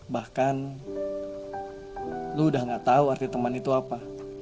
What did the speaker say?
bahkan lu udah gak tahu arti teman itu apa